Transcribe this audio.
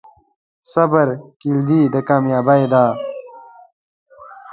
صبر کلید د کامیابۍ دی.